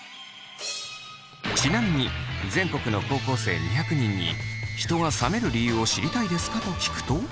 ちなみに全国の高校生２００人に「人が冷める理由を知りたいですか？」と聞くと。